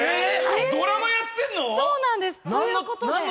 ドラマやってんの？